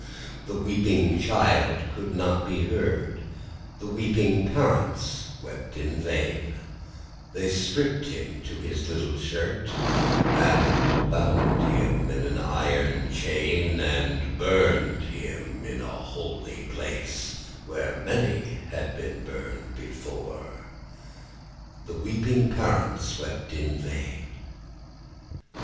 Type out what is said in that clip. The weeping child could not be heard, The weeping parents wept in vain: They stripped him to his little shirt, And bound him in an iron chain, And burned him in a holy place Where many had been burned before; The weeping parents wept in vain.